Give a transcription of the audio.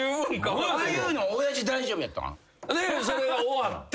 ああいうのは親父大丈夫やったん？でそれが終わって。